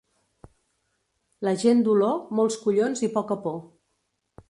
La gent d'Oló, molts collons i poca por.